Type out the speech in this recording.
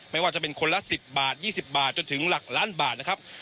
ไม่ว่าจะเป็นคนละ๑๐บาท๒๐บาทจนถึงหลักล้านบาทนะครับ